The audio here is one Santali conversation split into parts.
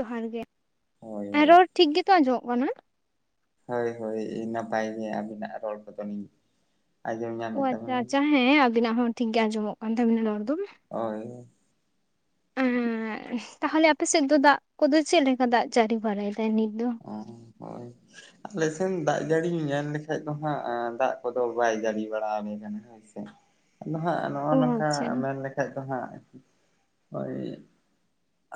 ᱡᱚᱦᱟᱨ ᱜᱮ, ᱦᱳᱭ ᱟᱨ ᱦᱳᱭ ᱨᱚᱲ ᱴᱷᱤᱠ ᱜᱮᱛᱚ ᱟᱸᱡᱚᱢᱚᱜ ᱠᱟᱱᱟ᱾ ᱦᱳᱭ ᱦᱳᱭ ᱱᱟᱯᱟᱭ ᱜᱮ ᱟᱵᱤᱱᱟᱜ ᱨᱚᱲ ᱠᱚᱫᱚᱞᱤᱧ ᱟᱸᱡᱚᱢ ᱚ ᱧᱟᱢᱮᱫ ᱟᱪᱪᱷᱟ ᱛᱟᱵᱮᱱᱟ᱾ ᱟᱪᱪᱷᱟ ᱦᱮᱸ ᱟᱵᱤᱱᱟᱜ ᱦᱚᱸ ᱴᱷᱤᱠ ᱜᱮ ᱟᱸᱡᱚᱢᱚᱜ ᱠᱟᱱ ᱛᱟᱵᱤᱱᱟ ᱨᱚᱲ ᱫᱚ᱾ ᱦᱳᱭ᱾ ᱦᱩᱻ ᱛᱟᱦᱚᱸᱞᱮ ᱟᱯᱮ ᱥᱮᱫ ᱫᱚ ᱫᱟᱜ ᱠᱚᱫᱚ ᱪᱮᱫ ᱞᱮᱠᱟ ᱫᱟᱜ ᱡᱟᱹᱲᱤ ᱵᱟᱲᱟᱭᱮᱫᱟᱭ ᱱᱤᱛ ᱫᱚ? [inaudible] ᱦᱳᱭ ᱟᱞᱮ ᱥᱮᱱ ᱫᱟᱜ ᱡᱟᱹᱲᱤ ᱧᱮᱞ ᱞᱮᱠᱷᱟᱡ ᱫᱚ ᱦᱟᱸᱜ, ᱟ ᱫᱟᱜ ᱠᱚᱫᱚ ᱵᱟᱭ ᱡᱟᱹᱲᱤ ᱵᱟᱲᱟᱞᱮ ᱠᱟᱱᱟ᱾ ᱦᱳᱭ ᱥᱮ ᱟᱫᱚ ᱦᱟᱸᱜ ᱱᱚᱜ-ᱚ ᱚ ᱱᱚᱝᱠᱟ ᱟᱪᱪᱷᱟ ᱢᱮᱱ ᱞᱮᱠᱷᱟᱡ ᱫᱚ ᱦᱟᱸᱜ ᱳᱭ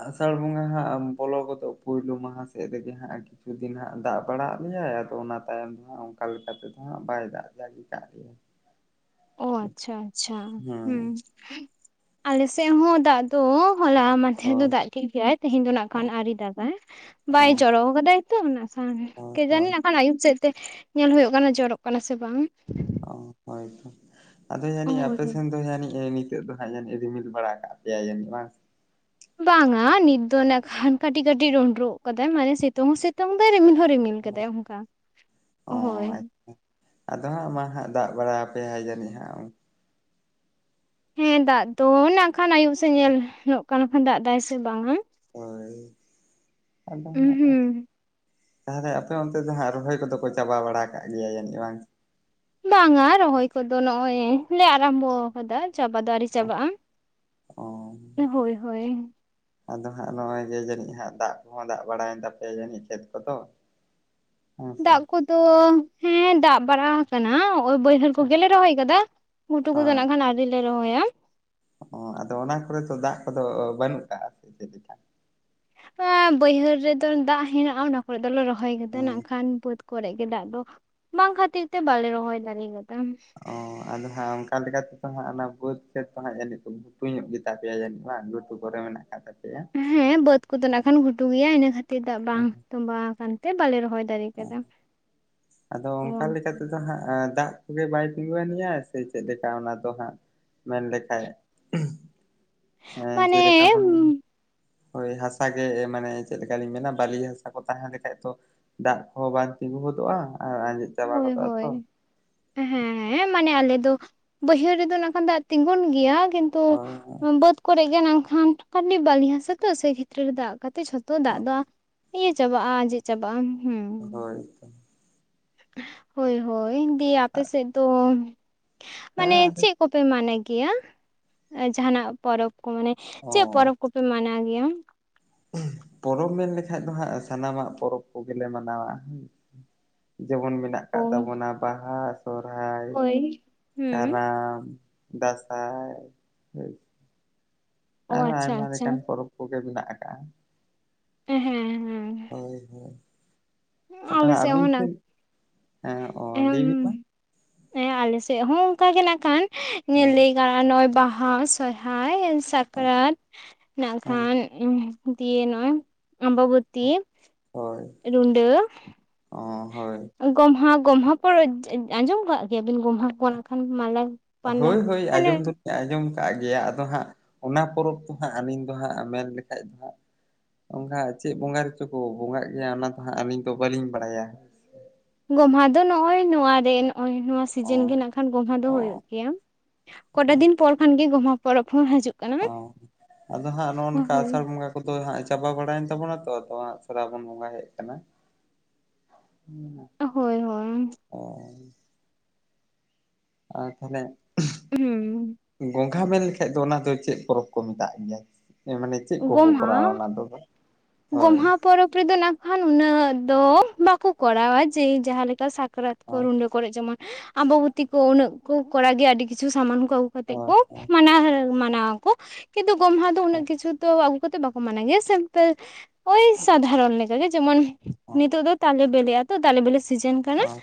ᱟᱥᱟᱲ ᱵᱚᱸᱜᱟ ᱦᱟᱸᱜ ᱵᱚᱞᱚ ᱜᱚᱫᱚᱜ ᱯᱩᱭᱞᱳ ᱢᱟᱦᱟ ᱥᱮᱫ ᱨᱮᱜᱮ᱾ ᱟᱨ ᱠᱤᱪᱷᱩ ᱫᱤᱱ ᱦᱟᱸᱜ ᱫᱟᱜ ᱵᱟᱲᱟᱜ ᱞᱮᱭᱟᱭ ᱟᱫᱚ ᱚᱱᱟ ᱛᱟᱭᱚᱢ ᱫᱚ ᱦᱟᱸᱜ ᱚᱱᱠᱟ ᱞᱮᱠᱟᱛᱮᱫᱚ ᱦᱟᱸᱜ ᱵᱟᱭ ᱫᱟᱜ ᱡᱟᱹᱲᱤ ᱠᱟᱜ ᱞᱮᱭᱟ᱾ ᱚᱻ ᱟᱪᱪᱷᱟ ᱟᱪᱪᱷᱟ ᱦᱮᱸ ᱦᱩᱸ᱾ ᱟᱞᱮ ᱥᱮᱫ ᱦᱚᱸ ᱫᱟᱜ ᱫᱚ ᱦᱚᱞᱟ ᱢᱟᱱ ᱛᱮᱦᱮᱧ ᱫᱚ ᱦᱳᱭ ᱫᱟᱜ ᱠᱮᱜ ᱜᱮᱭᱟᱭ, ᱛᱮᱦᱮᱧ ᱫᱚ ᱱᱟᱜᱠᱷᱟᱱ ᱦᱳᱭ ᱟᱹᱣᱨᱤ ᱫᱟᱜᱟᱭ, ᱵᱟᱭ ᱡᱚᱨᱚᱣ ᱠᱟᱫᱟᱭ᱾ ᱛᱚ ᱚᱱᱟ ᱥᱟᱶᱦᱮᱫ᱾ ᱦᱳᱭ ᱦᱳᱭ ᱠᱮᱡᱟᱱᱤ ᱱᱟᱜᱠᱷᱟᱱ ᱟᱹᱩᱵ ᱥᱮᱫ ᱛᱮ ᱧᱮᱞ ᱦᱩᱭᱩᱜ ᱠᱟᱱᱟ ᱡᱚᱨᱚᱜ ᱠᱟᱱᱟ ᱥᱮ ᱵᱟᱝ᱾ ᱚ ᱦᱳᱭᱛᱚ ᱟᱫᱚ ᱚ ᱡᱟᱹᱱᱤᱡ ᱟᱯᱮ ᱥᱮᱱᱫᱚ ᱡᱟ. ᱱᱤᱡ ᱮ ᱱᱤᱛ ᱱᱤᱛᱚᱜ ᱫᱚ ᱦᱟᱸᱜ ᱡᱟ. ᱱᱤᱡ-ᱮ ᱨᱤᱢᱤᱞ ᱵᱟᱲᱟ ᱮᱠᱟᱜ ᱯᱮᱭᱟᱭ ᱡᱟ. ᱱᱤᱡ ᱵᱟᱝ? ᱵᱟᱝᱟ ᱱᱤᱛ ᱫᱚ ᱱᱟᱜ ᱠᱷᱟᱱ ᱠᱟᱹᱴᱤᱡ ᱠᱟᱹᱴᱤᱡ ᱰᱚᱸᱰᱨᱚᱜ ᱠᱟᱫᱟᱭ ᱢᱟᱱᱮ ᱥᱤᱛᱩᱝ ᱦᱚᱸ ᱥᱤᱛᱩᱝ ᱫᱟᱭ ᱨᱤᱢᱤᱞ ᱦᱚᱸ ᱨᱤᱢᱤᱞ᱾ ᱥᱤᱛᱩᱝ ᱦᱳᱭ᱾ ᱠᱟᱫᱟᱭ ᱚᱱᱠᱟ ᱚ ᱦᱳᱭ᱾ ᱟᱫᱚ ᱦᱟᱸᱜ ᱢᱟ ᱦᱟᱸᱜ ᱫᱟᱜ ᱵᱟᱲᱟ ᱟᱯᱮᱭᱟᱭ ᱦᱟ ᱡᱟᱹᱱᱤᱡ ᱦᱟᱸᱜ᱾ ᱦᱮᱸ ᱫᱟᱜ ᱫᱚ ᱱᱟᱜ ᱠᱷᱟᱱ ᱟᱭᱩᱵ ᱥᱮᱫ ᱦᱳᱭ᱾ ᱧᱮᱞ ᱦᱚᱭᱳᱜ ᱠᱟᱱ ᱠᱷᱟᱱ ᱫᱟᱜ ᱫᱟᱭ ᱥᱮ ᱵᱝᱟ᱾ ᱦᱳᱭ ᱟᱫᱚ ᱱᱟᱦᱟᱜ ᱩᱸᱦᱩᱸ ᱛᱟᱦᱚᱞᱮ ᱟᱯᱮ ᱚᱱᱛᱮ ᱫᱚ ᱦᱟᱸᱜ ᱨᱚᱦᱚᱭ ᱠᱚᱫᱚ ᱠᱚ ᱪᱟᱵᱟ ᱵᱟᱲᱟ ᱠᱟᱫ ᱜᱮᱭᱟ ᱡᱟᱹᱱᱤᱡ ᱵᱟᱝ? ᱵᱟᱝᱟ ᱨᱚᱦᱚᱭ ᱠᱚᱫᱚ ᱱᱚᱜ-ᱚᱭ ᱞᱮ ᱟᱨᱟᱢᱵᱚᱣ ᱟᱠᱟᱫᱟ, ᱪᱟᱵᱟ ᱫᱚ ᱟᱹᱣᱨᱤ ᱪᱟᱵᱟᱜᱼᱟ᱾ ᱚ ᱱᱮ ᱦᱳᱭ ᱦᱳᱭ᱾ ᱟᱫᱚ ᱦᱟᱸᱜ ᱱᱚᱜ-ᱚᱭ ᱜᱮ ᱡᱟᱹᱱᱤᱡ ᱦᱟᱸᱜ ᱫᱟᱜ ᱠᱚᱦᱚᱸ ᱫᱟᱜ ᱵᱟᱲᱟᱭᱮᱱ ᱛᱟᱯᱮᱭᱟ ᱡᱟᱹᱱᱤᱡ ᱠᱷᱮᱛ ᱠᱚᱫᱚ᱾ ᱦᱮᱸ ᱥᱮ? ᱫᱟᱜ ᱠᱚᱫᱚ ᱦᱮᱸ ᱫᱟᱜ ᱵᱟᱲᱟ ᱟᱠᱟᱱᱟ᱾ ᱳᱭ ᱵᱟᱹᱭᱦᱟᱹᱲ ᱠᱚᱜᱮᱞᱮ ᱨᱚᱦᱚᱭ ᱟᱠᱟᱫᱟ, ᱜᱷᱩᱴᱩ ᱠᱚᱫᱚ ᱦᱳᱭ ᱱᱟᱜ ᱠᱷᱟᱱ ᱟ. ᱣᱨᱤ ᱞᱮ ᱨᱚᱦᱚᱭᱟ᱾ ᱚ ᱟᱫᱚ ᱚᱱᱟ ᱠᱚᱨᱮ ᱫᱚ ᱫᱟᱜ ᱠᱚᱫᱚ ᱵᱟᱹᱱᱩᱜ ᱠᱟᱜ-ᱟ? ᱚᱱᱛᱮ ᱫᱚ ᱠᱷᱟᱡ ᱵᱟᱝ ᱵᱟᱹᱭᱦᱟᱹᱲ ᱨᱮᱫᱚ ᱫᱟᱜ ᱦᱮᱱᱟᱜᱼᱟ ᱚᱱᱟ ᱠᱚᱨᱮ ᱫᱚᱞᱮ ᱨᱚᱦᱚᱭ ᱠᱟᱫᱟ ᱦᱩᱸ ᱱᱟᱜᱠᱷᱟᱱ ᱵᱟᱹᱫᱽ ᱠᱚᱨᱮᱜ ᱜᱮ ᱫᱟᱜ ᱫᱚ᱾ ᱵᱟᱝ ᱠᱷᱟᱹᱛᱤᱨ ᱛᱮ ᱵᱟᱞᱮ ᱨᱚᱦᱚᱭ ᱫᱟᱲᱮᱭ ᱠᱟᱫᱟ᱾ ᱚ ᱟᱫᱚ ᱦᱟᱸᱜ ᱚᱱᱠᱟ ᱞᱮᱠᱟ ᱛᱮᱫᱚ ᱦᱟᱸᱜ ᱚᱱᱟ ᱵᱟᱹᱫᱽ ᱠᱷᱮᱛ ᱫᱚ ᱦᱟᱸᱜ ᱡᱟᱹᱱᱤᱡ ᱜᱩᱴᱩ ᱧᱚᱜ ᱜᱮ ᱛᱟᱯᱮᱭᱟ ᱡᱟᱹᱱᱤᱡ ᱰᱟᱝ ᱜᱷᱚᱴᱩ ᱠᱚᱨᱮ ᱢᱮᱱᱟᱜ ᱟᱠᱟᱫ ᱛᱟᱯᱮᱭᱟ᱾ ᱦᱮᱸ ᱵᱟᱹᱫ ᱠᱚᱫᱚ ᱱᱟᱜ ᱠᱷᱟᱱ ᱜᱷᱩᱴᱩ ᱜᱮᱭᱟ, ᱤᱱᱟᱹ ᱠᱷᱟᱹᱛᱤᱨ ᱫᱟᱜ ᱵᱟᱝ ᱛᱚᱸᱵᱟ ᱟᱠᱟᱱ ᱛᱮ ᱵᱟᱞᱮ ᱨᱚᱦᱚᱭ ᱫᱟᱲᱮ ᱚ ᱠᱟᱫᱟ ᱟᱫᱚ ᱚ ᱚᱱᱠᱟ ᱞᱮᱠᱟ ᱛᱮᱫᱚ ᱦᱟᱸᱜ ᱮ ᱫᱟᱜ ᱠᱚᱜᱮ ᱵᱟᱭ ᱛᱤᱸᱜᱩᱣᱟᱱᱤᱡᱼᱟ ᱥᱮ ᱪᱮᱫ ᱞᱮᱠᱟ ᱚᱱᱟ ᱫᱚ ᱦᱟᱸᱜ ᱢᱮᱱᱞᱮᱠᱷᱟᱡ? ᱦᱮᱸ ᱢᱟᱱᱮ ᱡᱮ ᱞᱮᱠᱟᱵᱚᱱ ᱦᱳᱭ ᱦᱟᱥᱟ ᱜᱮ ᱢᱟᱱᱮ ᱪᱮᱫ ᱞᱮᱠᱟᱞᱤᱧ ᱢᱮᱱᱟ ᱵᱟᱹᱞᱤ ᱦᱟᱥᱟ ᱠᱚ ᱛᱟᱦᱮᱸ ᱞᱮᱠᱟᱱᱡ ᱛᱚ ᱫᱟᱜ ᱠᱚᱦᱚᱸ ᱵᱟᱝ ᱛᱤᱸᱜᱩ ᱜᱚᱫᱚᱜᱼᱟ ᱟᱨ ᱟᱸᱡᱮᱫ ᱪᱟᱵᱟ ᱦᱳᱭ ᱜᱚᱫᱚᱜᱼᱟ ᱛᱚ ᱦᱳᱭ᱾ ᱦᱮᱸ ᱦᱮᱸ ᱢᱟᱱᱮ ᱟᱞᱮ ᱫᱚ ᱵᱟᱹᱭᱦᱟᱹᱲ ᱨᱮᱫᱚ ᱱᱟᱜᱠᱷᱟᱱ ᱫᱟᱜ ᱛᱤᱸᱜᱩᱱ ᱜᱮᱭᱟ ᱠᱤᱱ ᱛᱩ ᱦᱳᱭ ᱵᱟᱹᱫᱽ ᱠᱚᱨᱮᱜ ᱜᱮ ᱱᱟᱜᱠᱷᱟᱱ ᱟᱹᱰᱤ ᱵᱟᱹᱞᱤ ᱦᱟᱥᱟ ᱛᱚ ᱥᱮ ᱨᱮᱜᱮ ᱫᱟᱜ ᱠᱟᱛᱮᱜ ᱡᱷᱚᱛᱚ ᱫᱟᱜ ᱫᱚ ᱦᱳᱭ ᱟ ᱤᱭᱟᱹ ᱪᱟᱵᱟᱜᱼᱟ ᱟᱸᱡᱮᱫ ᱪᱟᱵᱟᱜᱼᱟ ᱦᱮᱸ᱾ ᱦᱳᱭ ᱛᱚ᱾ ᱦᱳᱭ ᱦᱳᱭ ᱫᱤᱭᱮ ᱟᱯᱮ ᱥᱮᱫ ᱫᱚ ᱦᱮᱸ ᱢᱟᱱᱮ ᱟᱫᱚ ᱪᱮᱫ ᱠᱚᱯᱮ ᱢᱟᱱᱟᱭ ᱜᱮᱭᱟ ᱮ ᱡᱟᱦᱟᱱᱟᱜ ᱯᱚᱨᱚᱵᱽ ᱠᱚ ᱢᱟᱱᱮ ᱚ ᱪᱮᱫ ᱯᱚᱨᱚᱵᱽ ᱠᱚ ᱯᱮ ᱢᱟᱱᱟᱭ ᱜᱮᱭᱟ? ᱯᱚᱨᱚᱵᱽ ᱢᱮᱱ ᱞᱮᱠᱷᱟᱡ ᱫᱚ ᱦᱟᱸᱜ ᱥᱟᱱᱟᱢᱟᱜ ᱯᱚᱨᱚᱵᱽ ᱠᱚᱜᱮᱞᱮ ᱢᱟᱱᱟᱣᱟ ᱦᱩᱸ᱾ ᱡᱮᱢᱚᱱ ᱢᱮᱱᱟᱜ ᱚ ᱟᱠᱟᱫ ᱛᱟᱵᱚᱱᱟ ᱵᱟᱦᱟ ᱥᱚᱨᱦᱟᱭ ᱦᱳᱭ ᱦᱩᱸ ᱠᱟᱨᱟᱢ᱾ ᱫᱟᱸᱥᱟᱭ ᱦᱳᱭ᱾ ᱚ ᱟᱨᱦᱚᱸ ᱟᱪᱪᱷᱟ ᱟᱭᱢᱟ ᱟᱪᱪᱷᱟ ᱞᱮᱠᱟᱱ ᱯᱚᱨᱚᱵᱽ ᱠᱚᱜᱮ ᱢᱮᱱᱟᱜ ᱟᱠᱟᱜ-ᱟ᱾ ᱦᱮᱸ ᱦᱮᱸ᱾ ᱦᱳᱭ ᱦᱳᱭ ᱟᱫᱚ ᱟᱞᱮ ᱥᱮᱫ ᱟᱹᱵᱤᱱ ᱦᱚᱸ ᱱᱟᱜ ᱴᱷᱮᱱ ᱦᱮᱸ ᱚ ᱞᱟᱹᱭ ᱵᱤᱱ ᱢᱟ᱾ ᱮᱸ ᱟᱞᱮ ᱥᱮᱫ ᱦᱚᱸ ᱚᱱᱠᱟ ᱜᱮ ᱱᱟᱜ ᱠᱷᱟᱱ ᱚ ᱞᱟᱹᱭ ᱜᱟ ᱱᱚᱜᱼᱚᱭ ᱵᱟᱦᱟ ᱥᱚᱨᱦᱟᱭ ᱥᱟᱠᱨᱟᱛ ᱱᱟᱜ ᱦᱳᱭ ᱠᱷᱟᱱ ᱩᱸᱦ ᱫᱤᱭᱮ ᱱᱚᱜᱼᱚᱭ ᱟᱢᱵᱟᱵᱚᱛ ᱦᱳᱭ᱾ ᱨᱩᱰᱟᱹ ᱚᱻ ᱦᱳᱭ ᱾ ᱜᱚᱢᱦᱟ ᱜᱚᱢᱦᱟ ᱯᱚᱨᱚᱵᱽ ᱟᱸᱡᱚᱢ ᱠᱟᱜ ᱜᱮᱭᱟᱵᱤᱱ ᱜᱚᱢᱦᱟ ᱠᱚ ᱱᱟᱜ ᱠᱷᱟᱱ ᱢᱟᱞᱮ? ᱦᱳᱭ ᱦᱳᱭ ᱟᱸᱡᱚᱢ ᱫᱚ ᱟᱸᱡᱚᱢ ᱠᱟᱜ ᱜᱮᱭᱟ ᱟᱫᱚ ᱦᱟᱸᱜ ᱚᱱᱟ ᱯᱚᱨᱚᱵᱽ ᱠᱚ ᱦᱟᱸᱜ ᱟᱹᱞᱤᱧ ᱫᱚ ᱦᱟᱸᱜ ᱢᱮᱱ ᱞᱮᱠᱷᱟᱡ ᱫᱚ ᱦᱟᱸᱜ ᱚᱱᱠᱟ ᱪᱮᱫ ᱵᱚᱸᱜᱟ ᱨᱮᱪᱚ ᱠᱚ ᱵᱚᱸᱜᱟᱜ ᱜᱮᱭᱟ ᱚᱱᱟ ᱫᱚ ᱦᱟᱸᱜ ᱟᱹᱞᱤᱧ ᱫᱚ ᱵᱟᱹᱞᱤᱧ ᱵᱟᱲᱟᱭᱟ ᱾ ᱜᱚᱢᱦᱟ ᱫᱚ ᱱᱚᱜ-ᱚᱭ ᱱᱚᱣᱟ ᱨᱮ ᱱᱚᱜᱚᱭ ᱱᱚᱣᱟ ᱚ ᱥᱤᱡᱤᱱ ᱜᱮ ᱱᱟᱜᱠᱷᱟᱱ᱾ ᱜᱚᱢᱦᱟ ᱫᱚ ᱦᱩᱭᱩᱜ ᱚ ᱜᱮᱭᱟ ᱠᱚᱴᱟ ᱫᱤᱱ ᱯᱚᱨ ᱠᱷᱟᱱ ᱜᱮ ᱜᱚᱢᱦᱟ ᱯᱚᱨᱚᱵᱽ ᱦᱚᱸ ᱦᱤᱡᱩᱜ ᱠᱟᱱᱟ ᱚ ᱟᱫᱚ ᱦᱟᱸᱜ ᱱᱚᱜᱼᱚ ᱱᱚᱝᱠᱟ ᱟᱥᱟᱲ ᱦᱳᱭ ᱵᱚᱸᱜᱟ ᱟᱫᱚ ᱦᱟᱸᱜ ᱪᱟᱵᱟ ᱵᱟᱲᱟᱭᱮᱱ ᱛᱟᱵᱚᱱᱟ ᱛᱚ ᱟᱫᱚ ᱥᱚᱨᱟᱵᱚᱱ ᱵᱚᱸᱜᱟ ᱦᱮᱡ ᱟᱠᱟᱱᱟ᱾ [inaudible] ᱦᱳᱭ ᱦᱳᱭ ᱾ ᱚᱻ ᱟᱨ ᱛᱟᱦᱚᱞᱮ ᱦᱩᱸ ᱾ ᱜᱚᱝᱜᱷᱟ ᱢᱮᱱ ᱞᱮᱠᱷᱟᱡ ᱫᱚ ᱚᱱᱟ ᱫᱚ ᱪᱮᱫ ᱯᱚᱨᱚᱵᱽ ᱠᱚ ᱢᱮᱛᱟᱜ ᱜᱮᱭᱟ? ᱢᱟᱱᱮ ᱪᱮᱫ ᱠᱚᱠᱚ ᱜᱚᱢᱦᱟ ᱠᱚᱨᱟᱣᱟ ᱚᱱᱟ ᱫᱚ? ᱦᱳᱭ ᱜᱚᱢᱦᱟ ᱯᱚᱨᱚᱵᱽ ᱨᱮᱫᱚ ᱱᱟᱜ ᱠᱷᱟᱱ ᱩᱱᱟᱹᱜ ᱫᱚ ᱵᱟᱠᱚ ᱠᱚᱨᱟᱣᱟ ᱡᱮ ᱡᱟᱦᱟᱸ ᱞᱮᱠᱟ ᱥᱟᱠᱨᱟᱛ ᱠᱚ ᱨᱩᱰᱟᱹ ᱠᱚᱨᱮ ᱡᱮᱢᱚᱱ ᱟᱢᱵᱟᱵᱛᱤ ᱠᱚ ᱩᱱᱟᱹᱜ ᱠᱚ ᱠᱚᱟᱣ ᱜᱮᱭᱟ ᱟᱹᱰᱤ ᱠᱤᱪᱷᱩ ᱥᱟᱢᱟᱱ ᱠᱚ ᱟᱹᱜᱩ ᱠᱟᱛᱮ ᱦᱳᱭ ᱠᱚ ᱢᱟᱱᱟᱣ ᱢᱟᱱᱟᱣ ᱟᱠᱚ ᱠᱤᱱᱛᱩ ᱜᱚᱢᱦᱟ ᱫᱚ ᱩᱱᱟᱹᱜ ᱠᱤᱪᱷᱩ ᱫᱚ ᱟᱹᱜᱩ ᱠᱟᱛᱮᱫ ᱵᱟᱠᱚ ᱢᱟᱱᱟᱣ ᱜᱮᱭᱟ ᱥᱤᱢᱯᱮᱞ ᱳᱭ ᱥᱟᱫᱷᱟᱨᱚᱱ ᱞᱮᱠᱟ ᱜᱮ ᱡᱮᱢᱚᱱ ᱱᱤᱛᱚᱜ ᱫᱚ ᱛᱟᱞᱮ ᱵᱮᱤᱞᱮ-ᱟ ᱛᱚ ᱱᱤᱛᱚᱜ ᱫᱚ ᱛᱟᱞᱮ ᱵᱮᱞᱮ ᱥᱤᱡᱮᱱ ᱠᱟᱱᱟ ᱦᱳᱭ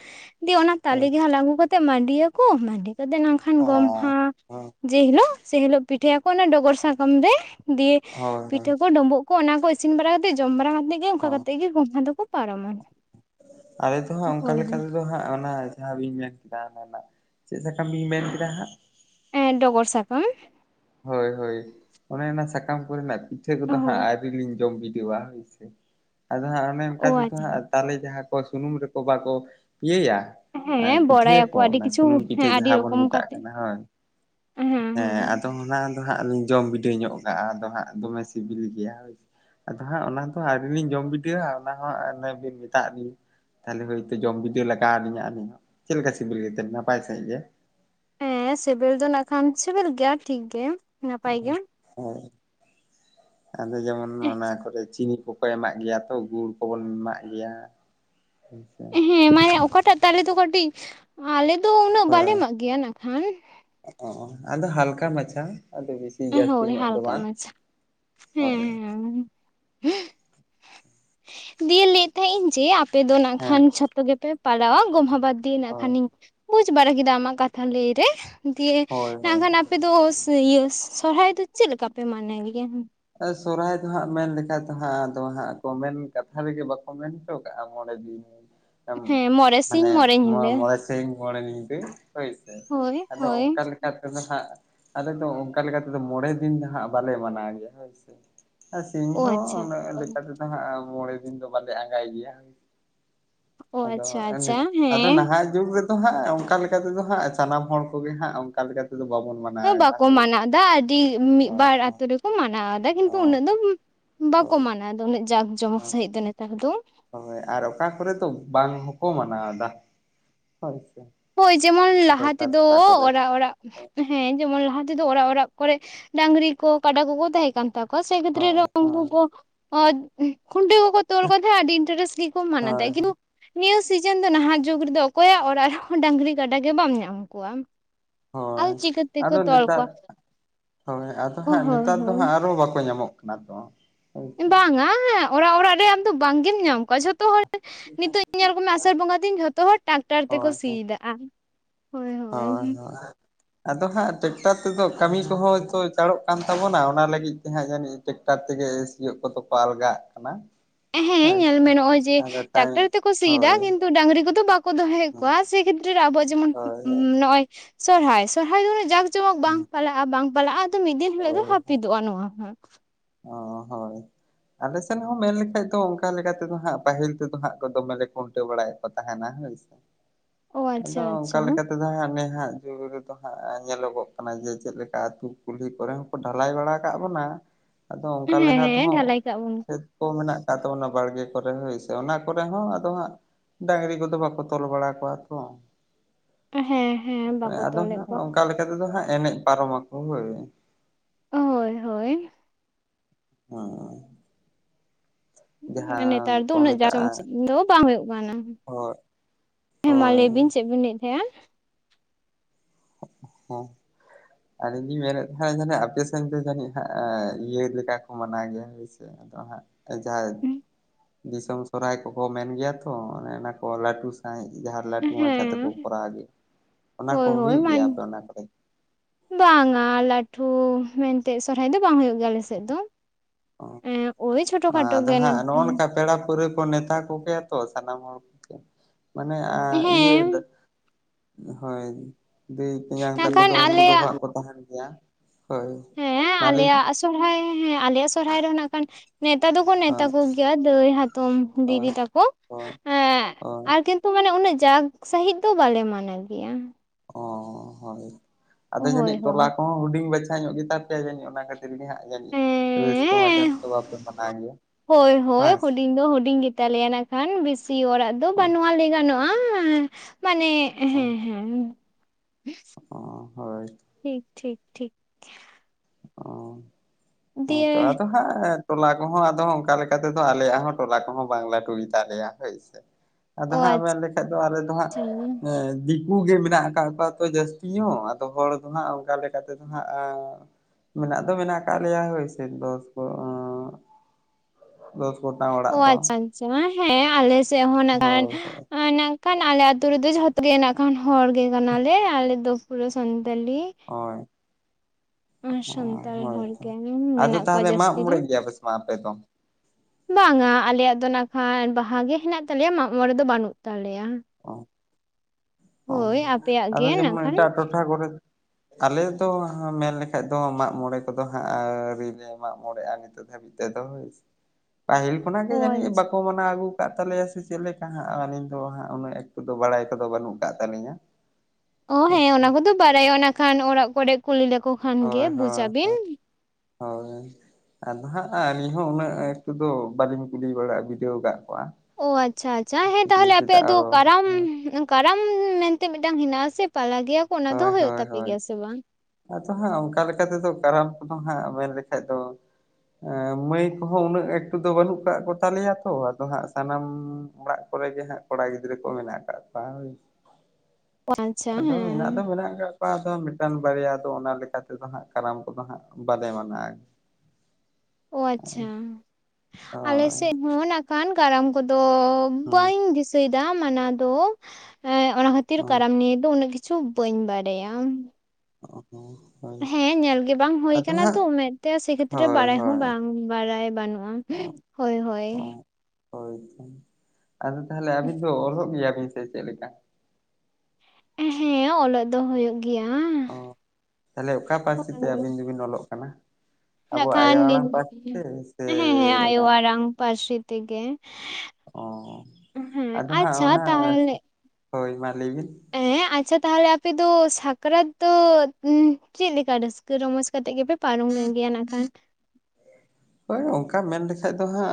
ᱫᱤᱭᱮ ᱚᱱᱟ ᱛᱟᱞᱮ ᱜᱮ ᱦᱟᱞᱟᱝ ᱟᱹᱜᱩ ᱠᱟᱛᱮᱜ ᱛᱮᱫ ᱢᱟᱹᱰᱤᱭ ᱟᱠᱚ ᱢᱟᱹᱰᱤ ᱠᱟᱛᱮᱫ ᱱᱟᱜ ᱠᱷᱟᱱ ᱜᱚᱢᱦᱟ ᱡᱮ ᱦᱤᱞᱳᱜ ᱥᱮ ᱦᱤᱞᱳᱜ ᱯᱤᱴᱷᱟᱹᱭ ᱟᱠᱚ ᱚᱱᱟ ᱰᱚᱜᱚᱨ ᱥᱟᱠᱟᱢ ᱨᱮ ᱫᱤᱭᱮ ᱦᱳᱭ ᱦᱳᱭ ᱯᱤᱴᱷᱟᱹ ᱠᱚ ᱰᱳᱢᱵᱩᱜ ᱠᱚ ᱚᱱᱟ ᱠᱚ ᱤᱥᱤᱱ ᱵᱟᱲᱟ ᱠᱟᱛᱮᱫ ᱡᱚᱢ ᱵᱟᱲᱟ ᱠᱟᱛᱮᱫ ᱚᱱᱠᱟ ᱦᱳᱭ ᱠᱟᱛᱮ ᱜᱮ ᱜᱚᱢᱦᱟ ᱫᱚᱠᱚ ᱯᱟᱨᱚᱢᱟ ᱦᱳᱭ ᱦᱳᱭ ᱾ ᱟᱫᱚ ᱦᱟᱸᱜ ᱚᱱᱟ ᱡᱟᱦᱟᱸ ᱵᱤᱱ ᱢᱮᱱ ᱠᱮᱫᱟ ᱚᱱᱟ ᱱᱟᱜ ᱪᱮᱫ ᱥᱟᱠᱟᱢ ᱵᱤᱱ ᱢᱮᱱ ᱠᱮᱫᱟ ᱦᱟᱸᱜ? ᱮᱸ ᱰᱚᱜᱚᱨ ᱥᱟᱠᱟᱢ ᱾ ᱦᱳᱭ ᱦᱳᱭ ᱚᱱᱮ ᱚᱱᱟ ᱥᱟᱠᱟᱢ ᱠᱚᱨᱮᱱᱟᱜ ᱯᱤᱴᱷᱟᱹ ᱠᱚᱫᱚ ᱦᱟᱸᱜ ᱦᱳᱭ ᱟᱹᱣᱨᱤᱞᱤᱧ ᱡᱚᱢ ᱵᱤᱰᱟᱹᱣ ᱟ ᱦᱳᱭ ᱥᱮ ᱟᱫᱚ ᱦᱟᱸᱜ ᱚᱱᱮ ᱚᱱᱠᱟ ᱚ ᱛᱮᱫᱚ ᱟᱪᱪᱷᱟ ᱦᱟᱸᱜ ᱛᱟᱞᱮ ᱡᱟᱦᱟᱸ ᱠᱚ ᱥᱩᱱᱩᱢ ᱨᱮᱠᱚ ᱵᱟᱠᱚ ᱤᱭᱟᱹᱭᱟ ᱟᱨ ᱦᱮᱸ ᱯᱤᱴᱷᱟᱹᱭ ᱟᱠᱚ ᱵᱚᱲᱟᱭᱟᱠᱚ ᱟᱹᱰᱤ ᱚᱱᱟ ᱠᱤᱪᱷᱩ ᱥᱩᱱᱩᱢ ᱦᱮᱸ ᱯᱤᱴᱷᱟᱹ ᱟᱹᱰᱤ ᱡᱟᱦᱟᱸ ᱵᱚᱱ ᱨᱚᱠᱚᱢ ᱢᱮᱛᱟᱜ ᱠᱟᱛᱮ ᱠᱟᱱᱟ ᱦᱳᱭ᱾ ᱦᱮᱸ ᱟᱫᱚ ᱚᱱᱟ ᱫᱚ ᱦᱟᱸᱜ ᱞᱤᱧ ᱡᱚᱢ ᱵᱤᱰᱤᱟᱹᱣ ᱧᱚᱜ ᱠᱟᱜᱼᱟ ᱟᱫᱚ ᱦᱟᱸᱜ ᱫᱚᱢᱮ ᱥᱤᱵᱤᱞ ᱜᱮᱭᱟ ᱦᱳᱭ᱾ ᱟᱫᱚ ᱦᱟᱸᱜ ᱚᱱᱟ ᱫᱚ ᱟᱹᱨᱤ ᱞᱤᱧ ᱡᱚᱢ ᱵᱤᱰᱟᱹᱣᱟ ᱚᱱᱟ ᱦᱚᱸ ᱚᱱᱮ ᱵᱤᱱ ᱢᱮᱛᱟᱜ ᱞᱤᱧ ᱾ ᱛᱟᱦᱚᱞᱮ ᱦᱚᱭᱛᱳ ᱡᱚᱢ ᱵᱤᱰᱟᱹᱭ ᱞᱟᱜᱟᱣ ᱞᱤᱧᱟ ᱟᱹᱞᱤᱧ ᱦᱚᱸ ᱪᱮᱫ ᱞᱮᱠᱟ ᱥᱤᱵᱤᱞ ᱜᱮᱛᱮ ᱱᱟᱯᱟᱭ ᱥᱟᱹᱦᱤᱡ ᱜᱮ? ᱦᱮᱸ ᱥᱤᱵᱤᱞ ᱫᱚ ᱱᱟᱜ ᱠᱷᱟᱱ ᱥᱤᱵᱤᱞ ᱜᱮᱭᱟ ᱴᱷᱤᱠ ᱜᱮ ᱱᱟᱯᱟᱭ ᱜᱮ᱾ ᱦᱳᱭ ᱟᱫᱚ ᱡᱮᱢᱚᱱ ᱚᱱᱟ ᱠᱚᱨᱮ ᱪᱤᱱᱤ ᱠᱚ ᱠᱚ ᱮᱢᱟᱜ ᱜᱮᱭᱟ ᱛᱚ ᱜᱩᱲ ᱠᱚᱵᱚᱱ ᱮᱢᱟᱜ ᱜᱮᱭᱟ ᱦᱮᱸ ᱥᱮ᱾ ᱦᱮᱸ ᱢᱟᱭᱟ ᱚᱠᱟᱴᱟᱜ ᱛᱟᱞᱮ ᱫᱚ ᱠᱟᱴᱤᱡ ᱟᱞᱮ ᱫᱚ ᱩᱱᱟᱹᱜ ᱵᱟᱞᱮ ᱦᱳᱭ ᱮᱢᱟᱜ ᱜᱮᱭᱟ ᱱᱟᱜ ᱠᱷᱟᱱ᱾ ᱚ ᱟᱫᱚ ᱦᱟᱞᱠᱟ ᱢᱟᱪᱷᱟ ᱟᱫᱚ ᱵᱤᱥᱤ ᱦᱳᱭ ᱦᱟᱞᱠᱟ ᱢᱟᱪᱷᱟ ᱦᱳᱭ ᱦᱮᱸ ᱦᱮᱸ ᱫᱤᱭᱮ ᱞᱟᱹᱭᱮᱫ ᱛᱟᱦᱮᱸᱱᱤᱧ ᱡᱮ ᱟᱯᱮ ᱫᱚ ᱱᱟᱜ ᱦᱮᱸ ᱠᱷᱟᱱ ᱡᱷᱚᱛᱚ ᱜᱮᱯᱮ ᱯᱟᱞᱟᱣᱟ ᱜᱚᱢᱦᱟ ᱵᱟᱫᱽ ᱫᱤᱭᱮ ᱱᱟᱜ ᱦᱳᱭ ᱠᱷᱟᱱᱤᱧ ᱵᱩᱡ ᱵᱟᱲᱟ ᱠᱮᱫᱟ ᱟᱢᱟᱜ ᱠᱟᱛᱷᱟ ᱞᱟᱹᱭ ᱨᱮ᱾ ᱫᱤᱭᱮ ᱦᱳᱭ ᱱᱟᱜ ᱦᱳᱭ ᱠᱷᱟᱱ ᱟᱯᱮ ᱫᱚ ᱤᱭᱟᱹ ᱥᱚᱨᱦᱟᱭ ᱫᱚ ᱪᱮᱫ ᱞᱮᱠᱟ ᱯᱮ ᱢᱟᱱᱟᱣ ᱜᱮᱭᱟ? ᱥᱚᱨᱚᱦᱟᱭ ᱫᱚ ᱦᱟᱸᱜ ᱢᱮᱱ ᱞᱮᱠᱷᱟ ᱫᱚ ᱦᱟᱸᱜ ᱟᱫᱚ ᱦᱟᱸᱜ ᱠᱚ ᱢᱮᱱ ᱠᱟᱛᱷᱟ ᱨᱮᱜᱮ ᱵᱟᱠᱚ ᱢᱮᱱ ᱦᱚᱴᱚ ᱠᱟᱜ-ᱟ ᱢᱚᱬᱮ ᱫᱤᱱ ᱦᱮᱸ ᱢᱚᱬᱮ ᱥᱤᱧ ᱢᱟᱱᱮ ᱢᱚᱬᱮ ᱧᱤᱫᱟᱹ ᱢᱚᱬᱮ ᱥᱤᱧ ᱢᱚᱬᱮ ᱧᱤᱫᱟᱹ ᱦᱳᱭ ᱥᱮ ᱦᱳᱭ ᱟᱫᱚ ᱦᱳᱭ ᱚᱱᱠᱟ ᱞᱮᱠᱟ ᱞᱮᱠᱟ ᱫᱚ ᱦᱟᱸᱜ ᱟᱞᱮ ᱫᱚ ᱚᱱᱠᱟ ᱞᱮᱠᱟ ᱛᱮᱫᱚ ᱢᱚᱬᱮ ᱫᱤᱱ ᱫᱚ ᱦᱟᱸᱜ ᱵᱟᱞᱮ ᱢᱟᱱᱟᱣ ᱜᱮᱭᱟ ᱦᱳᱭ ᱥᱮ ᱟᱨ ᱥᱤᱧ ᱚ ᱟᱪᱪᱷᱟ ᱦᱚᱸ ᱩᱱᱟᱹᱜ ᱞᱮᱠᱟ ᱛᱮᱫᱚ ᱦᱟᱸᱜ ᱢᱚᱬᱮ ᱫᱤᱱ ᱫᱚ ᱵᱟᱞᱮ ᱟᱸᱜᱟᱭ ᱜᱮᱭᱟ ᱚ ᱟᱫᱚ ᱟᱪᱪᱷᱟ ᱦᱮᱜᱮ ᱟᱪᱪᱷᱟ ᱱᱤᱛ ᱟᱫᱚ ᱦᱮᱸ ᱱᱟᱦᱟᱜ ᱡᱩᱜᱽ ᱨᱮᱫᱚ ᱦᱟᱸᱜ ᱚᱱᱠᱟ ᱞᱮᱠᱟ ᱛᱮᱫᱚ ᱦᱟᱸᱜ ᱥᱟᱱᱟᱢ ᱦᱚᱲ ᱠᱚᱜᱮ ᱦᱟᱸᱜ ᱚᱱᱠᱟ ᱞᱮᱠᱟ ᱛᱮᱫᱚ ᱵᱟᱵᱚᱱ ᱢᱟ ᱛᱚ ᱵᱟᱠᱚ ᱢᱟᱱᱟᱣᱫᱟ ᱟᱹᱰᱤ ᱢᱤᱫ ᱦᱳᱭ ᱵᱟᱨ ᱟᱛᱳ ᱨᱮᱠᱚ ᱢᱟᱱᱟᱣᱫᱟ ᱠᱤᱱᱛᱩ ᱦᱳᱭ ᱩᱱᱟᱹᱜ ᱫᱚ ᱵᱟᱠᱚ ᱢᱟᱱᱟᱣ ᱫᱚ ᱩᱱᱟᱹᱜ ᱡᱟᱸᱠ ᱡᱚᱢᱚᱠ ᱦᱳᱭ ᱥᱟᱺᱦᱤᱡ ᱫᱚ ᱱᱮᱛᱟᱨ ᱫᱚ ᱦᱳᱭ ᱟᱨ ᱠᱚᱨᱮ ᱛᱚ ᱵᱟᱝ ᱦᱚᱸᱠᱚ ᱢᱟᱱᱟᱣ ᱫᱟ, ᱦᱳᱭ ᱥᱮ᱾ ᱦᱳᱭ ᱡᱮᱢᱚᱱ ᱟᱫᱚ ᱞᱟᱦᱟ ᱚᱠᱟ ᱛᱮᱫᱚ ᱚᱠᱟ ᱠᱚᱨᱮ ᱚᱨᱟᱜ ᱚᱲᱟᱜ ᱦᱮᱸ ᱡᱮᱢᱚᱱ ᱞᱟᱦᱟ ᱛᱮᱫᱚ ᱚᱨᱟᱜ ᱚᱨᱟᱜ ᱠᱚᱨᱮ ᱰᱟᱹᱝᱨᱤ ᱠᱟᱰᱟ ᱠᱚᱠᱚ ᱛᱟᱦᱮᱸ ᱠᱟᱱ ᱛᱟ ᱠᱚ ᱥᱮ ᱠᱷᱮᱛᱨᱮ ᱨᱮ ᱦᱳᱭ ᱩᱝᱠᱩ ᱦᱳᱭ ᱠᱚ ᱚ ᱠᱷᱩᱱᱴᱟᱹ ᱠᱟᱠᱚ ᱛᱚᱞ ᱠᱚ ᱛᱟᱦᱮᱸᱜ ᱟᱹᱰᱤ ᱤᱱᱴᱟᱨᱮᱥ ᱜᱮᱠᱚ ᱢᱟᱱᱟᱣ ᱦᱳᱭ ᱛᱟᱦᱮᱸᱜ-ᱟ, ᱠᱤᱱᱛᱩ ᱱᱤᱭᱟᱹ ᱥᱤᱡᱤᱱ ᱫᱚ ᱱᱟᱦᱟᱜ ᱡᱩᱜᱽ ᱨᱮᱫᱚ ᱚᱠᱚᱭᱟᱜ ᱚᱲᱟᱜ ᱨᱮᱦᱚ ᱰᱟᱹᱝᱨᱤ ᱜᱟᱰᱟ ᱜᱮ ᱵᱟᱢ ᱧᱟᱢ ᱠᱚᱣᱟᱢ᱾ ᱦᱳᱭ ᱟᱫᱚ ᱱᱮᱛᱟ ᱦᱳᱭ ᱟᱫᱚ ᱦᱟᱸᱜ ᱦᱳᱭ ᱱᱮᱛᱟᱨ ᱫᱚ ᱦᱳᱭ ᱦᱟᱸᱜ ᱟᱨᱚ ᱵᱟ ᱠᱚ ᱧᱟᱢᱚᱜ ᱠᱟᱱᱟ ᱛᱚ᱾ ᱦᱳᱭ ᱥᱮ᱾ ᱵᱟᱝᱟ ᱚᱨᱟᱜ ᱚᱨᱟᱜ ᱨᱮ ᱟᱢ ᱫᱚ ᱵᱟᱝᱜᱮᱢ ᱧᱟᱢ ᱠᱚᱣᱟ ᱡᱷᱚᱛᱚ ᱦᱚᱲ ᱱᱤᱛᱚᱜ ᱧᱮᱞ ᱠᱚᱢᱮ ᱟᱥᱟᱲ ᱵᱚᱸᱜᱟ ᱫᱤᱱ ᱡᱷᱚᱛᱚ ᱦᱚᱲ ᱴᱟᱠᱴᱟᱨ ᱛᱮᱠᱚ ᱦᱳᱭ ᱦᱳᱭ ᱥᱤᱭᱫᱟ᱾ ᱦᱳᱭ ᱦᱳᱲᱟ ᱟᱫᱚ ᱦᱟᱸᱜ ᱴᱮᱠᱴᱟᱨ ᱛᱮᱫᱚ ᱠᱟᱹᱢᱤ ᱠᱚᱦᱚᱸ ᱛᱚ ᱪᱟᱲᱚᱜ ᱠᱟᱱ ᱛᱟᱵᱚᱱᱟ ᱚᱱᱟ ᱞᱟᱹᱜᱤᱫ ᱛᱮᱦᱟᱸᱜ ᱡᱟᱹᱱᱤᱡ ᱴᱮᱠᱴᱟᱨ ᱛᱮᱜᱮ ᱥᱤᱭᱳᱜ ᱠᱚᱫᱚ ᱠᱚ ᱟᱞᱜᱟᱜᱟᱜ ᱠᱟᱱᱟ᱾ ᱦᱮᱸ ᱦᱳᱭ ᱧᱮᱞ ᱥᱮ ᱢᱮ ᱱᱚᱜ-ᱚᱭ ᱡᱮ ᱟᱫᱚ ᱴᱟᱭᱤᱢ ᱴᱟᱠᱴᱟᱨ ᱛᱮᱠᱚ ᱥᱤᱭᱫᱟ ᱦᱳᱭ ᱠᱤᱱᱛᱩ ᱰᱟᱹᱝᱨᱤ ᱠᱚᱫᱚ ᱵᱟᱠᱚ ᱫᱚᱦᱚᱭᱮᱜ ᱦᱳᱭ ᱠᱚᱣᱟ᱾ ᱥᱮ ᱠᱷᱮᱛᱨᱮ ᱨᱮ ᱟᱵᱚᱣᱟᱜ ᱡᱮᱢᱚᱱ ᱱᱚᱜᱚᱭ ᱥᱚᱨᱦᱟᱭ ᱥᱚᱨᱦᱟᱭ ᱫᱚ ᱩᱱᱟᱹᱜ ᱡᱟᱠ ᱡᱚᱢᱚᱠ ᱵᱟᱝ ᱯᱟᱞᱟᱜ ᱟ ᱵᱟᱝ ᱯᱟᱞᱟᱜ-ᱟ, ᱛᱚ ᱢᱤᱫ ᱫᱤᱱ ᱦᱤᱞᱳᱜ ᱫᱚ ᱦᱟᱹᱯᱤᱫᱚᱜ-ᱟ ᱱᱚᱣᱟ ᱦᱚᱸ᱾ ᱚ ᱦᱳᱭ ᱟᱞᱮ ᱥᱮᱱ ᱦᱚᱸ ᱢᱮᱱ ᱞᱮᱠᱷᱟᱡ ᱫᱚ ᱚᱝᱠᱟ ᱞᱮᱠᱟ ᱛᱮᱫᱚ ᱦᱟᱸᱜ ᱯᱟᱹᱦᱤᱞ ᱛᱮᱫᱚ ᱦᱟᱸᱜ ᱠᱚ ᱫᱚᱢᱮᱞᱮ ᱠᱷᱩᱱᱴᱟᱹᱣ ᱵᱟᱲᱟᱭᱮᱜ ᱠᱚ ᱛᱟᱦᱮᱱᱟ ᱦᱳᱭ᱾ ᱚ ᱟᱪᱪᱷᱟ ᱟᱫᱚ ᱚᱝᱠᱟ ᱟᱪᱪᱷᱟ ᱞᱮᱠᱟ ᱛᱮᱫᱚ ᱦᱟᱸᱜ ᱱᱮᱦᱟᱜ ᱡᱩᱜᱽ ᱨᱮ ᱫᱚ ᱦᱟᱸᱜ ᱧᱮᱞᱚᱜᱚᱜ ᱠᱟᱱᱟ ᱡᱮ ᱪᱮᱫᱠᱟ ᱟᱛᱩ ᱠᱩᱞᱦᱤ ᱠᱚᱨᱮ ᱦᱚᱸᱠᱚ ᱰᱷᱟᱞᱟᱭ ᱵᱟᱲᱟ ᱠᱟᱜ ᱵᱚᱱᱟ᱾ ᱟᱫᱚ ᱚᱝᱠᱟ ᱦᱮᱸ ᱞᱮᱠᱟ ᱦᱮᱸ ᱛᱮᱦᱚᱸ ᱰᱷᱟᱞᱟᱭ ᱠᱟᱜ ᱵᱚᱱ ᱠᱷᱮᱛ ᱠᱚ ᱢᱮᱱᱟᱜ ᱠᱟᱜ ᱫᱚ ᱚᱱᱟ ᱵᱟᱲᱜᱮ ᱠᱚᱨᱮ ᱦᱳᱭ ᱥᱮ ᱚᱱᱟ ᱠᱚᱨᱮ ᱦᱚᱸ ᱟᱫᱚ ᱦᱟᱸᱜ ᱰᱟᱹᱝᱨᱤ ᱠᱚᱫᱚ ᱵᱟᱠᱚ ᱛᱚᱞ ᱵᱟᱲᱟ ᱠᱚᱣᱟ ᱛᱚ᱾ ᱦᱮᱸ ᱦᱮᱸ ᱵᱟᱠᱚ ᱛᱚᱞᱮᱜ ᱠᱚᱣᱟ᱾ ᱠᱟ ᱛᱮᱫᱚ ᱦᱟᱸᱜ ᱮᱱᱮᱡ ᱯᱟᱨᱚᱢᱟ ᱠᱚ ᱦᱳᱭ ᱢᱮ᱾ ᱳᱭ ᱦᱳᱭ ᱦᱩᱸ ᱱᱮᱛᱟᱨ ᱫᱚ ᱠᱚ ᱩᱱᱟᱹᱜ ᱢᱮᱛᱟᱜᱼᱟ ᱡᱟᱨᱚᱱ ᱥᱮᱫ ᱫᱚ ᱵᱟᱝ ᱦᱩᱭᱩᱜ ᱠᱟᱱᱟ, ᱦᱳᱭ ᱦᱮᱸ ᱢᱟ ᱦᱳᱭ ᱞᱟᱹᱭ ᱵᱤᱱ ᱪᱮᱜ ᱵᱤᱱ ᱞᱟᱹᱭᱮᱜ ᱛᱟᱦᱮᱸᱜ-ᱟ? ᱦᱚᱸ ᱟᱨ ᱤᱧᱫᱚᱧ ᱢᱮᱱᱮᱫ ᱛᱟᱦᱮᱸᱱᱟ ᱡᱟᱱᱟ ᱟᱯᱮ ᱥᱮᱱ ᱫᱚ ᱡᱟᱹᱱᱤᱡ ᱟᱸ ᱦᱟᱜ ᱤᱭᱟᱹ ᱞᱮᱠᱟ ᱠᱚ ᱢᱟᱱᱟᱣ ᱜᱮᱭᱟ ᱦᱳᱭᱥᱮ᱾ ᱦᱮᱸ ᱟᱫᱚ ᱦᱟᱸᱜ ᱡᱟᱦᱟᱸ ᱫᱤᱥᱚᱢ ᱥᱚᱨᱦᱟᱭ ᱠᱚᱠᱚ ᱢᱮᱱ ᱜᱮᱭᱟ ᱛᱚ ᱚᱱᱮ ᱚᱱᱟ ᱠᱚ ᱞᱟᱹᱴᱩᱥ ᱦᱟᱭ ᱡᱟᱦᱟᱸ ᱞᱟᱹᱴᱩ ᱢᱟᱪᱷᱟ ᱦᱮᱸ ᱛᱮᱠᱚ ᱠᱚᱨᱟᱣ ᱜᱮ, ᱚᱱᱟ ᱠᱚ ᱦᱳᱭ ᱦᱳᱭ ᱦᱩᱭᱩᱜ ᱢᱟᱱ ᱜᱮᱭᱟ ᱟᱯᱮ ᱚᱱᱟ ᱠᱚᱨᱮ? ᱵᱟᱝᱟ ᱞᱟᱹᱴᱷᱩ ᱢᱮᱱᱛᱮ ᱥᱚᱨᱦᱟᱭ ᱫᱚ ᱵᱟᱝ ᱦᱳᱭᱳᱜ ᱜᱮᱭᱟ ᱟᱞᱮ ᱥᱮᱜ ᱫᱚ᱾ ᱮᱸ ᱳᱭ ᱪᱷᱳᱴᱳ ᱚ ᱠᱷᱟᱴᱳ ᱟᱫᱚ ᱜᱮ ᱦᱟᱸᱜ ᱱᱚᱜᱼᱚ ᱱᱟᱠᱷᱟᱱ ᱱᱚᱝᱠᱟ ᱯᱮᱲᱟ ᱯᱩᱨᱟᱹ ᱠᱚ ᱱᱮᱛᱟ ᱠᱚᱜᱮᱭᱟ ᱛᱚ ᱥᱟᱱᱟᱢ ᱦᱚᱲ ᱠᱚ ᱜᱮ᱾ ᱢᱟᱱᱮ ᱟᱸ ᱤᱭᱟᱹ ᱦᱮᱸ ᱦᱳᱭ᱾ ᱫᱟᱹᱭ ᱛᱮᱧᱟᱝ ᱛᱟᱠᱚ ᱱᱟᱠᱷᱟᱱ ᱫᱚ ᱩᱝᱠᱩ ᱫᱚ ᱟᱞᱮᱭᱟᱜ ᱦᱟᱸᱜ ᱠᱚ ᱛᱟᱦᱮᱱ ᱜᱮᱭᱟ, ᱦᱳᱭ ᱦᱮᱸ ᱢᱟ ᱞᱟᱹᱭ ᱵᱤᱱ ᱟᱞᱮᱭᱟᱜ ᱥᱚᱨᱦᱟᱭ ᱦᱮᱸ ᱟᱞᱮᱭᱟᱜ ᱥᱚᱨᱦᱟᱭ ᱨᱮ ᱦᱚᱸ ᱱᱟᱜ ᱠᱷᱟᱱ ᱱᱮᱶᱛᱟ ᱫᱚ ᱠᱚ ᱱᱮᱶᱛᱟ ᱠᱚ ᱜᱮᱭᱟ ᱫᱟᱹᱭ ᱦᱟᱛᱚᱢ ᱫᱤᱫᱤ ᱛᱟᱠᱚ ᱮᱸ ᱟᱨ ᱠᱤᱱ ᱛᱚ ᱢᱟᱱᱮ ᱩᱱᱟᱹᱜ ᱡᱟᱠ ᱥᱟᱺᱦᱤᱡ ᱫᱚ ᱵᱟᱞᱮ ᱢᱟᱱᱟᱣ ᱜᱮᱭᱟ ᱾ ᱚ ᱦᱳᱭ, ᱟᱫᱚ ᱦᱳᱭ ᱡᱟᱹᱱᱤᱡ ᱛᱚᱞᱟ ᱦᱳᱭ ᱠᱚ ᱦᱚᱸ ᱦᱤᱰᱤᱧ ᱵᱟᱪᱷᱟ ᱜᱮ ᱛᱟᱯᱮᱭᱟ ᱡᱟᱹᱱᱤᱡ ᱚᱱᱟ ᱠᱷᱟᱹᱛᱤᱨ ᱜᱮ ᱦᱟᱸᱜ ᱡᱟᱹᱱᱤᱡ ᱨᱟᱹᱥ ᱮᱸ ᱦᱳᱭ ᱦᱳᱭ, ᱵᱟᱝ ᱥᱮ ᱦᱩᱰᱤᱧ ᱫᱚ ᱦᱩᱰᱤᱧ ᱜᱮ ᱛᱟᱞᱮᱭᱟ ᱱᱟ ᱠᱷᱟᱱ ᱵᱤᱥᱤ ᱚᱲᱟᱜ ᱫᱚ ᱵᱟᱹᱱᱩᱜᱼᱟ, ᱞᱟᱹᱭ ᱜᱟᱱᱚᱜᱼᱟ ᱢᱟᱱᱮ, ᱦᱮᱸ ᱦᱮᱸ ᱦᱩᱸ ᱦᱚᱭ, ᱴᱷᱤᱠ ᱴᱷᱤᱠ ᱴᱷᱤᱠ, ᱚ ᱦᱮᱸ ᱫᱤᱭᱮ ᱛᱚ ᱟᱫᱚ ᱦᱟᱸᱜ, ᱴᱚᱞᱟ ᱠᱚ ᱦᱚᱸ ᱟᱫᱚ ᱚᱱᱠᱟ ᱞᱮᱠᱟ ᱛᱮ ᱫᱚ ᱟᱞᱮᱭᱟᱜ ᱦᱚᱸ ᱴᱚᱞᱟ ᱠᱚ ᱦᱚᱸ ᱵᱟᱝ ᱞᱟᱴᱩ ᱛᱟᱞᱮᱭᱟ ᱦᱳᱭ ᱥᱮ, ᱟᱫᱚ ᱚ ᱦᱟᱸᱜ ᱢᱮᱱ ᱟᱪᱪᱷᱟ ᱞᱮᱠᱟᱱ ᱫᱚ ᱟᱞᱮ ᱫᱚ ᱦᱟᱸᱜ ᱮ ᱫᱤᱠ ᱩᱱᱠᱩ ᱜᱮ ᱢᱮᱱᱟᱜ ᱟᱠᱟᱫ ᱠᱚᱣᱟ ᱛᱚ ᱡᱟᱹᱥᱛᱤ ᱧᱚᱜ ᱟᱫᱚ ᱦᱚᱲ ᱫᱚ ᱦᱟᱜ ᱚᱱᱠᱟ ᱞᱮᱠᱟᱛᱮ ᱫᱚ ᱦᱟᱸᱜ ᱢᱮᱱᱟᱜ ᱫᱚ ᱢᱮᱱᱟᱜ ᱟᱠᱟᱫ ᱞᱮᱭᱟ ᱦᱳᱭ ᱥᱮ ᱫᱚᱥ ᱜᱚᱴᱟᱝ ᱳ ᱚᱲᱟᱜ ᱫᱚ ᱟᱪᱪᱷᱟ ᱟᱪᱪᱷᱟ, ᱦᱮᱸ ᱟᱞᱮ ᱥᱮᱫ ᱦᱚᱸ ᱱᱟᱠᱷᱟᱱ, ᱦᱳᱭ ᱱᱟᱜ ᱠᱷᱟᱱ ᱟᱞᱮ ᱟᱛᱳ ᱨᱮ ᱫᱚ ᱡᱷᱚᱛᱚ ᱜᱮ ᱱᱟᱜ ᱠᱷᱟᱱ ᱦᱚᱲ ᱜᱮ ᱠᱟᱱᱟᱞᱮ ᱟᱞᱮ ᱫᱚ ᱯᱩᱨᱟᱹ ᱥᱟᱱᱛᱟᱞᱤ ᱾ ᱦᱳᱭ, ᱚ ᱥᱟᱱᱛᱟᱲ ᱦᱚᱲ ᱦᱳᱭᱛᱚ, ᱜᱮ ᱟᱫᱚ ᱢᱮᱱᱟᱜ ᱠᱚᱣᱟ ᱛᱟᱦᱚᱞᱮ ᱢᱟᱜ ᱡᱟᱹᱥᱛᱤ ᱢᱚᱬᱮ ᱫᱚ ᱜᱮᱭᱟ ᱯᱮ ᱥᱮ ᱵᱟᱝ ᱟᱯᱮ ᱫᱚ? ᱵᱟᱝᱟ ᱟᱞᱮᱭᱟᱜ ᱫᱚ ᱠᱷᱟᱱ ᱵᱟᱦᱟ ᱜᱮ ᱦᱮᱱᱟᱜ ᱛᱟᱞᱮᱭᱟ ᱢᱟᱜ ᱢᱚᱬᱮ ᱫᱚ ᱵᱟᱹᱱᱩᱜ ᱛᱟᱞᱮᱭᱟ ᱾ ᱚ ᱚ ᱟᱯᱮᱭᱟᱜ ᱟᱫᱚ ᱜᱮ ᱱᱟᱜ ᱡᱮᱢᱚᱱ ᱠᱷᱟᱱ ᱮᱴᱟᱜ ᱴᱚᱴᱷᱟ ᱠᱚᱨᱮ, ᱟᱞᱮ ᱫᱚ ᱢᱮᱱ ᱞᱮᱠᱷᱟᱡ ᱫᱚ ᱢᱟᱜ ᱢᱚᱬᱮ ᱠᱚᱫᱚ ᱦᱟᱸᱜ ᱟᱹᱣᱨᱤᱞᱮ ᱢᱟᱜ ᱢᱚᱬᱮᱜᱼᱟ ᱱᱤᱛᱚᱜ ᱫᱷᱟᱹᱵᱤᱡ ᱾ ᱛᱮᱫᱚᱭ [inaudible] ᱚᱱᱟᱜᱮ ᱚ ᱡᱟᱹᱱᱤᱡ ᱟᱪᱪᱷᱟ ᱵᱟᱠᱚ ᱢᱟᱱᱟᱣ ᱟᱹᱜᱩ ᱟᱠᱟᱫ ᱛᱟᱞᱮᱭᱟ ᱥᱮ ᱪᱮᱫ ᱞᱮᱠᱟ ᱦᱟᱸᱜ ᱟᱹᱞᱤᱧ ᱫᱚ ᱦᱟᱸᱜ ᱩᱱᱟᱹᱜ ᱮᱠᱴᱩ ᱫᱚ ᱵᱟᱲᱟᱭ ᱠᱚ ᱫᱚ ᱵᱟᱹᱱᱩᱜ ᱟᱠᱟᱟᱜ ᱛᱟᱹᱞᱤᱧᱟ, ᱚ ᱦᱳᱭ ᱦᱮᱸ ᱚᱱᱟ ᱠᱚ ᱫᱚ ᱵᱟᱲᱟᱭᱚᱜ ᱱᱟᱜ ᱠᱷᱟᱱ ᱚᱲᱟᱜ ᱠᱚᱨᱮ ᱠᱩᱞᱤ ᱞᱮ ᱠᱚ ᱠᱷᱟᱱ ᱜᱮ ᱦᱳᱭ ᱦᱳᱭ ᱵᱩᱡᱟᱵᱤᱱ ᱾ ᱦᱳᱭ, ᱟᱫᱚ ᱦᱟᱸᱜ ᱟᱞᱤᱧ ᱦᱚᱸ ᱩᱱᱟᱹᱜ ᱮᱠᱴᱩ ᱵᱟᱹᱞᱤᱧ ᱠᱩᱞᱤ ᱵᱟᱲᱟ ᱵᱩᱡᱷᱟᱣᱹᱣ ᱟᱠᱟᱫ ᱠᱚᱣᱟ ᱾ ᱚ ᱟᱪᱪᱷᱟ ᱟᱪᱪᱷᱟ, ᱦᱮᱸ ᱛᱟᱦᱚᱞᱮ ᱟᱯᱮᱭᱟᱜ ᱫᱚ ᱠᱟᱨᱟᱢ ᱦᱳᱭ ᱠᱟᱨᱟᱢ ᱢᱮᱱᱛᱮ ᱢᱤᱫᱴᱟᱝ ᱦᱮᱱᱟᱜᱼᱟᱥᱮ ᱯᱟᱞᱟ ᱜᱮᱭᱟ ᱠᱚ ᱚᱱᱟ ᱫᱚ ᱦᱳᱭᱳᱜ ᱦᱳᱭ ᱛᱟᱯᱮ ᱦᱳᱭ ᱜᱮᱭᱟ ᱥᱮ ᱵᱟᱝ? ᱟᱫᱚ ᱦᱟᱸᱜ ᱚᱝᱠᱟ ᱞᱮᱠᱟ ᱛᱮ ᱫᱚ ᱠᱟᱨᱟᱢ ᱠᱚ ᱫᱚ ᱦᱟᱸᱜ ᱢᱮᱱ ᱞᱮᱠᱷᱟᱡ ᱫᱚ, ᱢᱟᱹᱭ ᱩᱱᱟᱹᱜ ᱮᱠᱴᱩ ᱫᱚ ᱵᱟᱹᱱᱩᱜ ᱠᱟᱜ ᱠᱚᱛᱟ ᱞᱮᱭᱟ ᱛᱚ ᱟᱫᱚ ᱦᱟᱸᱜ ᱥᱟᱱᱟᱢ ᱚᱲᱟᱜ ᱠᱚᱨᱮ ᱜᱮ ᱦᱟᱸᱜ ᱠᱚᱲᱟ ᱜᱤᱫᱽᱨᱟᱹ ᱠᱚ ᱢᱮᱱᱟᱜ ᱟᱠᱟᱫ ᱠᱚᱣᱟ ᱦᱳᱭ, ᱟᱪᱪᱷᱟ ᱟᱫᱚ ᱢᱮᱱᱟᱜ ᱫᱚ ᱦᱮᱸ, ᱢᱮᱱᱟᱜ ᱠᱟᱫ ᱠᱚᱣᱟ ᱟᱫᱚ ᱢᱤᱫᱴᱟᱱ ᱵᱟᱨᱭᱟ ᱫᱚ ᱚᱱᱟ ᱞᱮᱠᱟ ᱛᱮ ᱫᱚ ᱦᱟᱸᱜ ᱠᱟᱨᱟᱢ ᱠᱚ ᱫᱚ ᱦᱟᱸᱜ ᱵᱟᱞᱮ ᱢᱟᱱᱟ ᱾ [unintelligible] ᱚ ᱟᱪᱪᱷᱟ ᱜᱮᱭᱟ ᱟᱞᱮ ᱦᱳᱭ ᱥᱮᱫ ᱦᱚᱸ ᱠᱟᱱ ᱠᱟᱨᱟᱢ ᱠᱚ ᱫᱚ ᱦᱩᱸ ᱵᱟᱹᱧ ᱫᱤᱥᱟᱹᱭᱮᱫᱟ ᱢᱟᱱᱟ ᱫᱚ ᱚᱱᱟ ᱠᱷᱟᱹᱛᱤᱨ ᱦᱩᱸ ᱠᱟᱨᱟᱢ ᱱᱤᱭᱮ ᱫᱚ ᱩᱱᱟᱹᱜ ᱠᱤᱪᱷᱩ ᱪᱷᱳᱵ ᱵᱟᱹᱧ ᱵᱟᱲᱟᱭᱟ, [unintelligible] ᱧᱮᱞ ᱜᱮ ᱵᱟᱝ ᱦᱩᱭ ᱟᱫᱚ ᱟᱠᱟᱱᱟ ᱦᱟᱸᱜ ᱛᱚ ᱢᱮᱫ ᱛᱮ ᱥᱮ ᱠᱷᱮᱛᱨᱮ ᱦᱳᱭ ᱵᱟᱲᱟᱭ ᱦᱚᱸ ᱦᱳᱭ ᱵᱟᱝ ᱵᱟᱲᱟᱭ ᱵᱟᱹᱱᱩᱜ-ᱟ᱾ ᱦᱚᱸ ᱦᱳᱭ ᱦᱳᱭ᱾ ᱦᱚᱸ ᱦᱳᱭ ᱛᱚ ᱟᱫᱚ ᱛᱟᱦᱚᱞᱮ ᱟᱹᱵᱤᱱ ᱫᱚ ᱚᱞᱚᱜ ᱜᱮᱭᱟᱵᱤᱱ ᱥᱮ ᱪᱮᱫ ᱞᱮᱠᱟ᱾ ᱦᱮᱸ ᱚᱞᱚᱜ ᱫᱚ ᱦᱩᱭᱩᱜ ᱜᱮᱭᱟ᱾ ᱚ ᱛᱟᱦᱚᱞᱮ ᱚᱠᱟ ᱯᱟᱹᱨᱥᱤ ᱛᱮ ᱟᱹᱵᱤᱱ ᱫᱚᱵᱤᱱ ᱚᱞᱚᱜ ᱠᱟᱱᱟ᱾ ᱱᱟ ᱟᱵᱚ ᱟᱭᱳ ᱠᱷᱟᱱ ᱟᱲᱟᱝ ᱯᱟᱹᱨᱥᱤ ᱛᱮ ᱥᱮ [inaudible] ᱦᱮᱸ ᱦᱮᱸ ᱟᱭᱳ ᱚᱱᱟ ᱟᱲᱟᱝ ᱯᱟᱹᱨᱥᱤ ᱛᱮᱜᱮ᱾ ᱚᱻ ᱦᱮᱸ ᱟᱫᱚ ᱦᱟᱸᱜ ᱟᱪᱪᱷᱟ ᱚᱱᱟ, ᱛᱟᱦᱚᱞᱮ ᱦᱳᱭ ᱢᱟ ᱞᱟᱹᱭ ᱵᱤᱱ? ᱦᱮᱸ ᱟᱪᱪᱷᱟ ᱛᱟᱦᱚᱸᱞᱮ ᱟᱯᱮ ᱫᱚ ᱥᱟᱠᱨᱟᱛ ᱫᱚ, ᱩ ᱪᱮᱫ ᱞᱮᱠᱟ ᱨᱟᱹᱥ ᱠᱟᱹ ᱨᱚᱢᱚᱡ ᱠᱟᱛᱮᱜ ᱜᱮᱯᱮ ᱯᱟᱨᱚᱢᱮᱜ ᱜᱮᱭᱟ ᱱᱟᱜ ᱠᱷᱟᱱ᱾ ᱦᱳᱭ ᱚᱱᱠᱟ ᱢᱮᱱ ᱞᱮᱠᱷᱟᱡ ᱫᱚ ᱦᱟᱸᱜ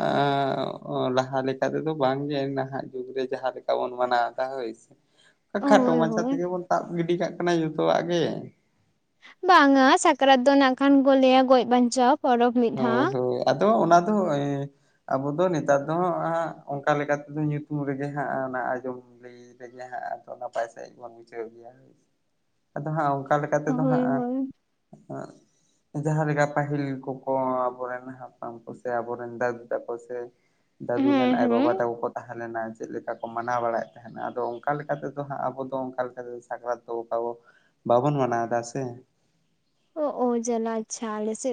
ᱟᱻ ᱞᱟᱦᱟ ᱞᱮᱠᱟ ᱛᱮᱫᱚ ᱵᱟᱝᱜᱮ ᱱᱟᱦᱟᱸᱜ ᱡᱩᱜᱽ ᱨᱮ ᱡᱟᱦᱟᱸ ᱪᱮᱠᱟ ᱵᱚᱱ ᱢᱟᱱᱟᱣ ᱮᱫᱟ ᱦᱳᱭ ᱥᱮ, ᱠᱷᱟᱴᱚ ᱦᱳᱭ ᱢᱟᱪᱷᱟ ᱦᱳᱭ ᱛᱮᱜᱮ ᱵᱚᱱ ᱛᱟᱵ ᱜᱤᱰᱤ ᱠᱟᱜ ᱠᱟᱱᱟ ᱡᱚᱛᱚᱣᱟᱜ ᱜᱮ᱾ ᱵᱟᱝᱟ ᱥᱟᱠᱨᱟᱛ ᱫᱚ ᱱᱟᱜ ᱠᱷᱟᱱ ᱠᱚ ᱞᱟᱹᱭᱟ ᱜᱚᱡ ᱵᱟᱧᱪᱟᱣ ᱯᱚᱨᱚᱵᱽ ᱢᱤᱫ ᱫᱷᱟᱣ᱾ ᱦᱳᱭ ᱦᱳᱭ ᱟᱫᱚ ᱚᱱᱟ ᱫᱚ ᱮᱸᱻ᱾ ᱟᱵᱚ ᱫᱚ ᱱᱮᱛᱟᱨ ᱫᱚ ᱦᱟᱸᱜ ᱚᱱᱠᱟ ᱞᱮᱠᱟᱛᱮᱫᱚ ᱧᱩᱛᱩᱢ ᱨᱮᱜᱮ ᱦᱟᱸᱜ ᱚᱱᱟ ᱟᱸᱡᱚᱢ ᱨᱮ ᱵᱤᱨ ᱨᱮ‌ ᱡᱟᱦᱟᱸᱜ-ᱟ ᱟᱫᱚ ᱱᱟᱯᱟᱭ ᱥᱟᱹᱦᱤᱡ ᱵᱚᱱ ᱢᱩᱪᱷᱟᱹᱣ ᱜᱮᱭᱟ᱾ [inaudible] ᱟᱫᱚ ᱦᱟᱸᱜ ᱚᱱᱠᱟ ᱞᱮᱠᱟ ᱛᱮᱫᱚ ᱦᱳᱭ ᱦᱟᱸᱜ-ᱟ, ᱦᱳᱭ ᱟ ᱡᱟᱦᱟ ᱞᱮᱠᱟ ᱯᱟᱹᱦᱤᱞ ᱠᱚ ᱚᱻ ᱟᱵᱚᱨᱮᱱ ᱦᱟᱯᱲᱟᱢ ᱠᱚ ᱥᱮ ᱟᱵᱚᱨᱮᱱ ᱫᱟᱫᱩ ᱛᱟᱠᱚ ᱥᱮ, ᱫᱟᱫᱩ ᱦᱮᱸ ᱨᱮᱱ ᱟᱡ ᱵᱟᱵᱟ ᱦᱮᱸ ᱛᱟᱠᱚ ᱠᱚ ᱛᱟᱦᱮᱸ ᱞᱮᱱᱟ ᱪᱮᱫ ᱞᱮᱠᱟ ᱠᱚ ᱢᱟᱱᱟᱣ ᱵᱟᱲᱟᱭᱮᱫ ᱛᱟᱦᱮᱸᱱᱟ, ᱟᱫᱚ ᱚᱱᱠᱟ ᱞᱮᱠᱟ ᱛᱮᱫᱚ ᱦᱟᱸᱜ ᱟᱵᱚ ᱚᱱᱠᱟ ᱞᱮᱠᱟᱛᱮ ᱥᱟᱠᱨᱟᱛ ᱫᱚ ᱵᱟᱵᱚ ᱵᱟᱵᱚᱱ ᱢᱟᱱᱟᱣᱮ ᱫᱟ ᱥᱮ᱾ ᱚ ᱚ ᱡᱟᱞᱟ ᱟᱪᱪᱷᱟ ᱟᱞᱮ ᱥᱮᱫ